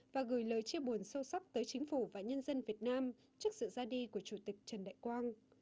và gửi lời chia buồn sâu sắc tới chính phủ và nhân dân việt nam trước sự ra đi của chủ tịch trần đại quang